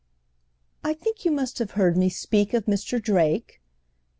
"I think you must have heard me speak of Mr. Drake?"